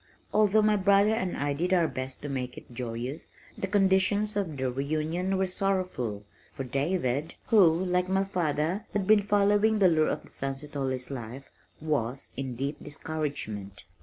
Although my brother and I did our best to make it joyous, the conditions of the reunion were sorrowful, for David, who like my father, had been following the lure of the sunset all his life, was in deep discouragement.